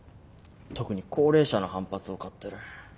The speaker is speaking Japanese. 特に高齢者の反発を買ってる。